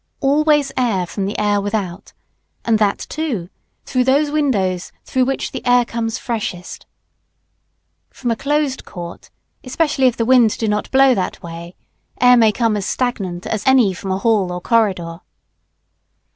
Always, air from the air without, and that, too, through those windows, through which the air comes freshest. From a closed court, especially if the wind do not blow that way, air may come as stagnant as any from a hall or corridor.